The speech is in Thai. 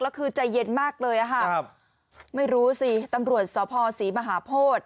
แล้วคือใจเย็นมากเลยอ่ะค่ะครับไม่รู้สิตำรวจสภศรีมหาโพธิ